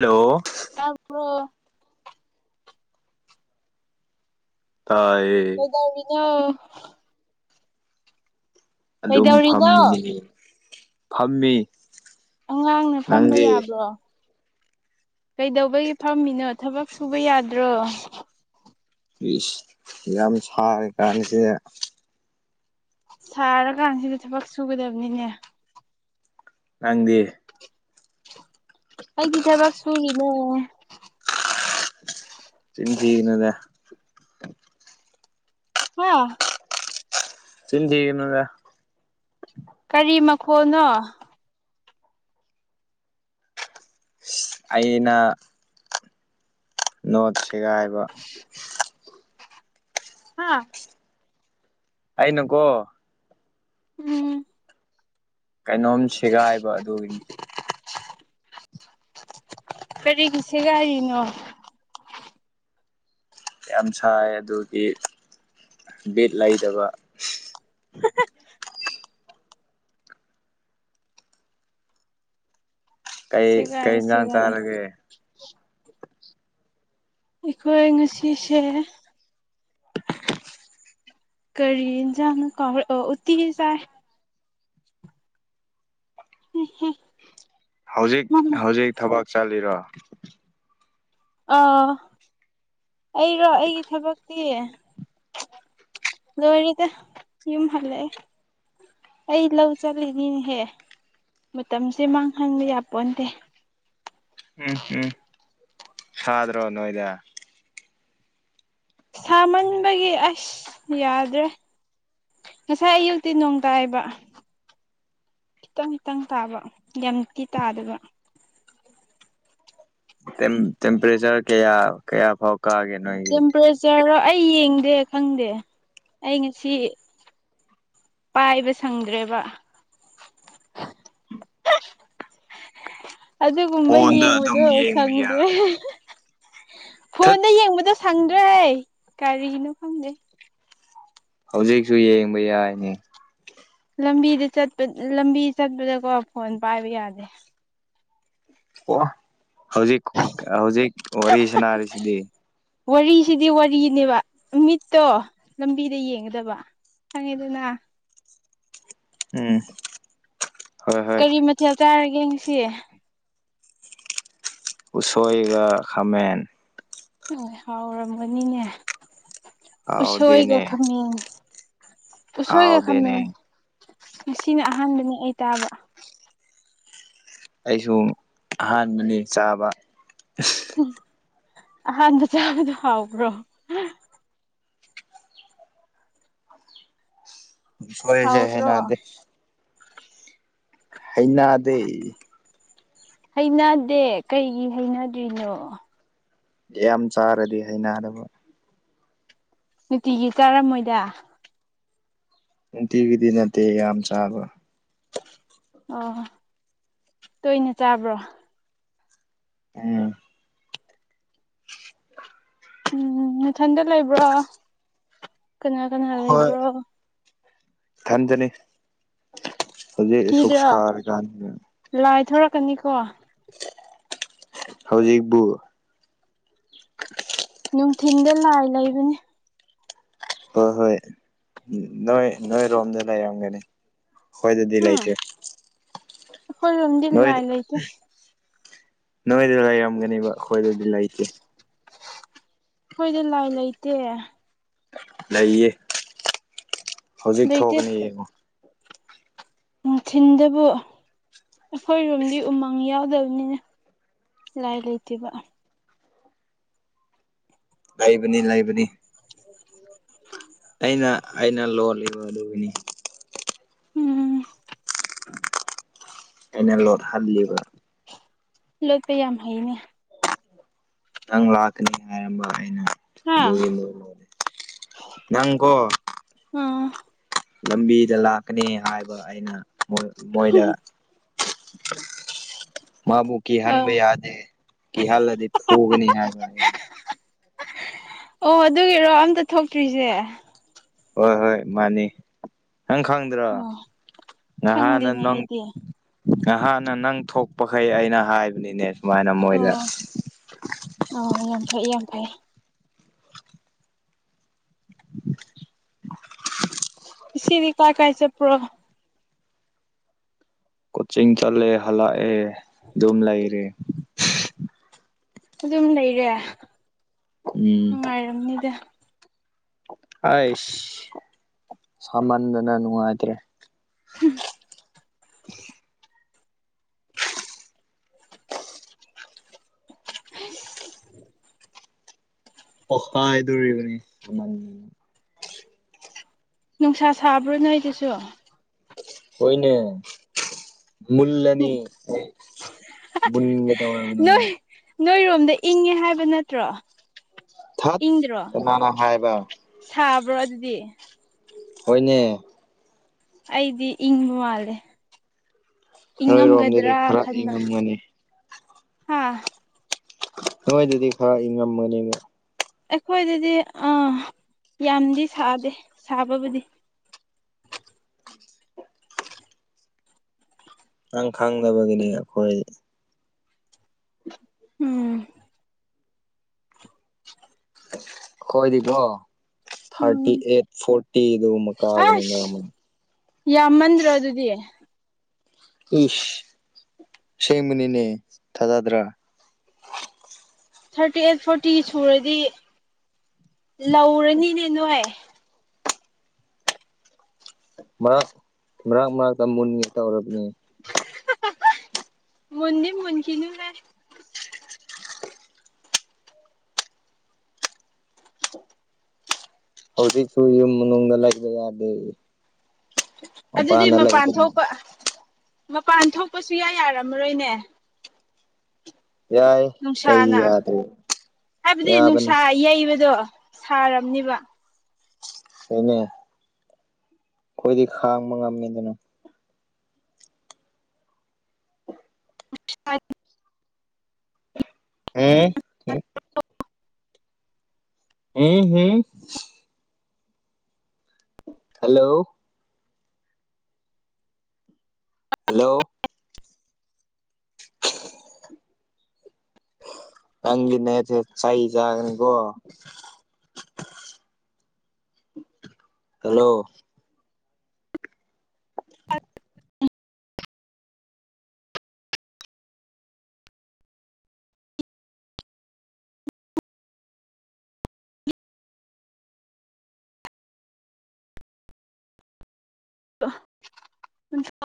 Hello ꯇꯥꯕ꯭ꯔꯣ ꯇꯥꯢꯌꯦ ꯀꯩꯗꯧꯔꯤꯅꯣ ꯑꯗꯨꯝ ꯀꯩꯗꯧꯔꯤꯅꯣ ꯐꯝꯃꯤꯅꯦ ꯐꯝꯃꯤ ꯑꯉꯥꯡꯅ ꯐꯝꯕ ꯅꯪꯗꯤ ꯌꯥꯕ꯭ꯔꯣ ꯀꯩꯗꯧꯕꯒꯤ ꯐꯝꯃꯤꯅꯣ ꯊꯕꯛ ꯁꯨꯕ ꯌꯥꯗ꯭ꯔꯣ ꯏꯁ ꯌꯥꯝ ꯁꯔꯀꯥꯟꯁꯤꯗ ꯁꯥꯔꯀꯥꯟꯁꯤꯗ ꯊꯕꯛ ꯁꯨꯒꯗꯕꯅꯤꯅꯦ ꯅꯪꯗꯤ ꯑꯩꯗꯤ ꯊꯕꯛ ꯁꯨꯔꯤꯅꯦ ꯆꯤꯟ ꯊꯤꯒꯅꯨꯗ ꯍꯥ ꯆꯤꯟ ꯊꯤꯒꯅꯨꯗ ꯀꯔꯤ ꯃꯈꯣꯜꯅꯣ ꯑꯩꯅ ꯅꯣꯠ ꯁꯦꯒꯥꯏꯕ ꯍꯥ ꯑꯩꯅ ꯀꯣ ꯎꯝ ꯀꯩꯅꯣꯝ ꯁꯦꯒꯥꯏꯕ ꯑꯗꯨꯒꯤꯅꯤ ꯀꯔꯤꯒꯤ ꯁꯦꯒꯥꯢꯔꯤꯅꯣ ꯌꯥꯝ ꯁꯥꯏ ꯑꯗꯨꯒꯤ ꯕꯤꯠ ꯂꯩꯇꯕ ꯀꯩ ꯀꯩ ꯁꯦꯒꯥꯏꯌꯨ ꯏꯟꯖꯥꯡ ꯁꯦꯒꯥꯏꯌꯨ ꯆꯥꯔꯒꯦ ꯑꯩꯈꯣꯏ ꯉꯁꯤꯁꯦ ꯀꯔꯤ ꯏꯟꯖꯥꯡꯅꯣ ꯀꯥꯎꯔꯦ ꯑꯣ ꯎꯠꯇꯤ ꯆꯥꯏ ꯍꯦꯍꯦ ꯍꯧꯖꯤꯛ ꯍꯧꯖꯤꯛ ꯊꯕꯛ ꯆꯠꯂꯤꯔꯣ ꯑꯥ ꯑꯩꯔꯣ ꯑꯩꯒꯤ ꯊꯕꯛꯇꯤ ꯂꯣꯢꯔꯤꯗ ꯌꯨꯝ ꯍꯜꯂꯛꯑꯦ ꯑꯩ ꯂꯧ ꯆꯠꯂꯤꯅꯤꯅꯦꯍꯦ ꯃꯇꯝꯁꯦ ꯃꯥꯡꯍꯟꯕ ꯌꯥ ꯄꯣꯟꯇꯦ ꯎꯝ ꯎꯝ ꯁꯥꯗ꯭ꯔꯣ ꯅꯣꯏꯗꯦ ꯁꯥꯃꯟꯕꯒꯤ ꯑꯁ ꯌꯥꯗ꯭ꯔꯦ ꯉꯁꯥꯏ ꯑꯌꯨꯛꯇꯤ ꯅꯣꯡ ꯇꯥꯏꯕ ꯈꯤꯇꯪ ꯈꯤꯇꯪ ꯇꯥꯕ ꯌꯥꯝꯇꯤ ꯇꯥꯗꯥꯕ ꯇꯦꯝ ꯇꯦꯝꯄꯔꯦꯆꯔ ꯀꯌꯥ ꯀꯌꯥ ꯐꯥꯎ ꯀꯥꯒꯦ ꯅꯣꯏ ꯇꯦꯝꯄꯔꯦꯆꯔꯔꯣ ꯑꯩ ꯌꯦꯡꯗꯦ ꯈꯪꯗꯦ ꯑꯩ ꯉꯁꯤ ꯄꯥꯏꯕ ꯁꯪꯗ꯭ꯔꯦꯕ ꯑꯗꯨꯒꯨꯝꯕ ꯐꯣꯟꯗ ꯌꯦꯡꯕꯗꯣ ꯑꯗꯨꯝ ꯌꯦꯡꯕ ꯌꯥ ꯁꯪꯗ꯭ꯔꯦ ꯊꯠ ꯐꯣꯟꯗ ꯌꯦꯡꯕꯗꯣ ꯁꯪꯗ꯭ꯔꯦ ꯀꯔꯤꯅꯣ ꯈꯪꯗꯦ ꯍꯧꯖꯤꯛꯁꯨ ꯌꯦꯡꯕ ꯌꯥꯏꯅꯤ ꯂꯝꯕꯤꯗ ꯆꯠꯄ ꯂꯝꯕꯤ ꯆꯠꯄꯗꯀꯣ ꯐꯣꯟ ꯄꯥꯏꯕ ꯌꯥꯗꯦ ꯑꯣ ꯍꯧꯖꯤꯛ ꯍꯧꯖꯤꯛ ꯋꯥꯔꯤ ꯁꯅꯥꯔꯤꯁꯤꯗꯤ ꯋꯥꯔꯤꯁꯤꯗꯤ ꯋꯥꯔꯤꯅꯦꯕ ꯃꯤꯠꯇꯣ ꯂꯝꯕꯤꯗ ꯌꯦꯡꯒꯗꯕ ꯈꯪꯉꯦꯗꯅ ꯎꯝ ꯍꯣꯏ ꯍꯣꯏ ꯀꯔꯤ ꯃꯊꯦꯜ ꯆꯥꯔꯒꯦ ꯉꯁꯤ꯫ ꯎꯁꯣꯏꯒ ꯈꯥꯃꯦꯟ ꯍꯣꯏ ꯍꯥꯎꯔꯝꯒꯥꯅꯤꯅꯦ ꯎꯁꯣꯏꯒꯥ ꯍꯥꯎꯗꯦꯅꯦ ꯈꯥꯃꯦꯟꯒꯥ ꯎꯁꯣꯏꯒ ꯈꯃ°ꯟ ꯍꯥꯎꯗꯦꯅꯦ ꯉꯁꯤꯅ ꯑꯍꯥꯟꯕꯅꯤ ꯑꯩ ꯇꯥꯕ ꯑꯩꯁꯨ ꯑꯍꯥꯟꯕꯅꯤ ꯆꯥꯕ꯫ ꯑꯍꯥꯟꯕ ꯆꯥꯕꯗꯣ ꯍꯥꯎꯕ꯭ꯔꯣ ꯎꯁꯣꯏꯁꯦ ꯍꯥꯎꯗ꯭ꯔꯣ ꯍꯩꯅꯗꯦ ꯍꯩꯅꯗꯦ ꯍꯩꯅꯗꯦ ꯀꯩꯒꯤ ꯍꯩꯅꯗ꯭ꯔꯤꯅꯣ ꯌꯥꯝ ꯆꯥꯔꯗꯤ ꯍꯩꯅꯗꯕ ꯅꯨꯡꯇꯤꯒꯤ ꯆꯥꯔꯝꯃꯣꯏꯗ ꯅꯨꯡꯇꯤꯒꯤꯗꯤ ꯅꯠꯇꯦ ꯌꯥꯝ ꯆꯥꯕ ꯑꯣ ꯇꯣꯏꯅ ꯆꯥꯕ꯭ꯔꯣ ꯎꯝ ꯎꯝ ꯅꯊꯟꯗ ꯂꯩꯕ꯭ꯔꯣ ꯀꯅꯥ ꯀꯅꯥ ꯂꯩꯕ꯭ꯔꯣ ꯏꯊꯟꯗꯥꯅꯤ ꯍꯨꯖꯤꯛ ꯑꯥꯁꯨꯛ ꯀꯤꯗ꯭ꯔꯣ ꯁꯥꯔꯥꯀꯥꯟꯁꯤꯗꯥ ꯂꯥꯏ ꯊꯣꯔꯛꯀꯅꯤ ꯀꯣ ꯍꯧꯖꯤꯛꯕꯨ ꯅꯨꯡꯊꯤꯟꯗ ꯂꯥꯏ ꯂꯩꯕꯅꯤ꯫ ꯍꯣꯏ ꯍꯣꯏ ꯅꯣꯏ ꯅꯣꯏ ꯔꯣꯝꯗ ꯂꯩꯔꯝꯒꯅꯤ ꯑꯈꯣꯢꯗꯗꯤ ꯍꯨꯝ ꯂꯩꯇ꯭ꯔꯦ ꯑꯩꯈꯣꯏꯔꯣꯝꯗꯤ ꯅꯣꯏꯗ ꯂꯥꯏ ꯂꯩꯇꯦ ꯅꯣꯏꯗ ꯂꯩꯔꯝꯒꯅꯤꯕ ꯑꯩꯈꯣꯏꯗꯗꯤ ꯂꯩꯇꯦ ꯑꯩꯈꯣꯏꯗꯤ ꯂꯥꯏ ꯂꯩꯇꯦ ꯂꯩꯌꯦ ꯍꯧꯖꯤꯛ ꯂꯩꯇꯦ ꯊꯣꯛꯒꯅꯤ ꯌꯦꯡꯉꯣ ꯅꯨꯡꯊꯤꯟꯗꯕꯨ ꯑꯩꯈꯣꯏꯔꯣꯝꯗꯤ ꯎꯃꯪ ꯌꯥꯎꯗꯕꯅꯤꯅ ꯂꯥꯏ ꯂꯩꯇꯦꯕ ꯂꯩꯕꯅꯤ ꯂꯩꯕꯅꯤ ꯑꯩꯅ ꯑꯩꯅ ꯂꯣꯜꯂꯤꯕ ꯑꯗꯨꯒꯤꯅꯤ ꯎꯝ ꯑꯩꯅ ꯂꯣꯠꯍꯜꯂꯤꯕ ꯂꯣꯞꯄ ꯌꯥꯝ ꯍꯩꯅꯦ ꯅꯪ ꯂꯥꯛꯀꯅꯤ ꯍꯥꯏꯔꯝꯕ ꯑꯩꯅ ꯍꯥ ꯑꯗꯨꯒꯤ ꯂꯣꯜꯂꯣ ꯅꯪ ꯀꯣ ꯎꯝ ꯂꯝꯕꯤꯗ ꯂꯥꯛꯀꯅꯤ ꯍꯥꯏꯕ ꯑꯩꯅ ꯃꯣꯏꯗ [unintelligible] ꯃꯥꯕꯨ ꯑꯧ ꯀꯤꯍꯟꯕ ꯌꯥꯗꯦ ꯀꯤꯍꯜꯂꯗꯤ ꯐꯨꯒꯅꯤ ꯍꯥꯏꯕ ꯑꯣ ꯑꯗꯨꯒꯤꯔꯣ ꯑꯝꯇ ꯊꯣꯛꯇ꯭ꯔꯤꯁꯦ ꯍꯣꯏ ꯍꯣꯏ ꯃꯥꯅꯦ ꯅꯪ ꯈꯪ ꯗ꯭ꯔꯣ ꯑꯣ ꯉꯍꯥꯟꯅ ꯈꯪꯗꯦꯅꯦ ꯅꫭꯡ ꯑꯩꯗꯤ ꯉꯍꯥꯟꯅ ꯅꯪ ꯊꯣꯛꯄꯈꯩ ꯑꯩꯅ ꯍꯥꯏꯕꯅꯤꯅꯦ ꯁꯨꯝꯃꯥꯏꯅ ꯃꯣꯏꯗ ꯑꯣ ꯑꯣ ꯌꯥꯝ ꯐꯩ ꯌꯥꯝ ꯐꯩ ꯉꯁꯤꯗꯤ ꯀꯥꯏ ꯀꯥꯏ ꯆꯠꯄ꯭ꯔꯣ ꯀꯣꯆꯤꯡ ꯆꯠꯂꯦ ꯍꯜꯂꯛꯑꯦ ꯑꯗꯨꯝ ꯂꯩꯔꯦ ꯑꯗꯨꯝ ꯂꯩꯔꯦ ꯎꯝ ꯅꯨꯡꯉꯥꯏꯔꯝꯅꯤꯗ ꯑꯥꯏꯁ ꯁꯥꯃꯟꯗꯅ ꯅꯨꯡꯉꯥꯏꯇꯦ [unintelligible] [inaudible] ꯍꯩꯁ ꯄꫭꯈꯥꯏꯗꫭꯔꯦꯅꯦ ꯁꯥꯃꯟ [unintelligible] ꯅꯨꯡꯁꯥ ꯁꯥꯕ꯭ꯔꯣ ꯅꯣꯏꯗꯨꯁꯨ ꯍꯣꯏꯅꯦ ꯃꯨꯜꯂꯅꯤ ꯑꯩ ꯃꯨꯟꯒꯦ ꯇꯧꯔꯕꯅꯦ ꯅꯣꯏ ꯑꯩ ꯅꯣꯏꯔꯣꯝꯗ ꯏꯪꯉꯦ ꯍꯥꯏꯕ ꯅꯠꯇ꯭ꯔꯣ ꯊꯠ ꯏꯪꯗ꯭ꯔꯣ ꯀꯅꯥꯅ ꯍꯥꯏꯕ ꯁꯥꯕ꯭ꯔꯣ ꯑꯗꯨꯗꯤ ꯍꯣꯏꯅꯦ ꯑꯩꯗꯤ ꯏꯪꯕ ꯃꯥꯜꯂꯦ ꯅꯣꯏꯔꯣꯝꯗꯗꯤ ꯏꯪꯉꯝꯒꯗ꯭ꯔ ꯈꯔ ꯈꯟꯕ ꯏꯪꯉꯝꯒꯅꯤ ꯍꯥꯥ ꯅꯣꯏꯗꯗꯤ ꯈꯔ ꯏꯪꯉꯝꯃꯅꯤꯕ ꯑꯩꯈꯣꯏꯗꯗꯤ ꯑ ꯌꯥꯝꯗꯤ ꯁꯥꯗꯦ ꯁꯥꯕꯕꯨꯗꯤ ꯅꯪ ꯈꯪꯗꯕꯒꯤꯅꯦ ꯑꯈꯣꯏ [inaudible] ꯎꯝ ꯑꯈꯣꯏꯗꯤꯀꯣ ꯊꯥꯔꯇꯤ ꯎꯝ ꯑꯦꯠ ꯐꯣꯔꯇꯤ ꯗꯨꯒꯨꯝꯕ ꯀꯥꯕꯅꯤ ꯑꯁ [unintelligible] ꯌꯥꯝꯃꯟꯗ꯭ꯔꯣ ꯑꯗꯨꯗꯤ ꯏꯁ ꯑꯁꯦꯡꯕꯅꯤꯅꯦ ꯊꯥꯖꯗ꯭ꯔ ꯊꯥꯔꯇꯤ ꯑꯦꯠ ꯐꯣꯔꯇꯤ ꯁꯨꯔꯗꯤ ꯂꯧꯔꯅꯤꯅꯦ ꯅꯣꯏ ꯃꯥ ꯃꯔꯛ ꯃꯔꯛꯇ ꯃꯨꯟꯒꯦ ꯇꯧꯔꯕꯅꯦ [unintelligible] ꯃꯨꯟꯗꯤ ꯃꯨꯟꯈꯤꯅꯨꯍꯦ ꯍꯧꯖꯤꯛꯁꯨ ꯌꯨꯝ ꯃꯅꯨꯡꯗ ꯂꯩꯕ ꯌꯥꯗꯦꯌꯦ ꯑꯗꯨꯗꯤ ꯃꯄꯥꯟ ꯊꯣꯛꯄ ꯃꯄꯥꯟ ꯊꯣꯛꯄ ꯁꯨꯌꯥ ꯌꯥꯔꯝꯃꯔꯣꯏꯅꯦ ꯌꯥꯏ ꯀꯩ ꯅꯨꯡꯁꯥꯅ ꯌꯥꯗ꯭ꯔꯦ ꯍꯥꯏꯞꯗꯤ ꯌꯥꯕꯅꯤ ꯅꯨꯡꯁꯥ ꯌꯩꯕꯗꯣ ꯁꯥꯔꯝꯅꯤꯕ ꯍꯣꯏꯅꯦ ꯈꯣꯏꯗꯤ ꯈꯥꯡꯕ ꯉꯝꯃꯦ ꯑꯗꯨꯅ [unintelligible] ꯍꯦ ꯍꯦ ꯍꯦ ꯍꯜꯂꯣ ꯍꯜꯂꯣ [inaudible] ꯅꯪꯒꯤ ꯅꯦꯠꯁꯦ ꯆꯩ ꯆꯥꯒꯅꯤꯀꯣ ꯍꯜꯂꯣ [unintelligible] [unintelligible]